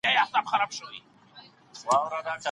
باور به مات نه سي.